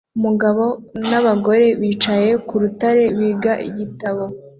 Umugabo n'abagore bicaye ku rutare biga igitabo